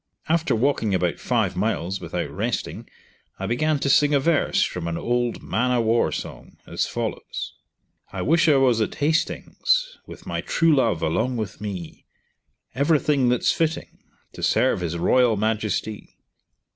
After walking about five miles without resting, I began to sing a verse from an old man a war song, as follows: "I wish I was at Hastings With my true love along with me, Everything that's fitting, To serve His Royal Majesty.